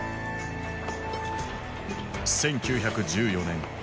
１９１４年。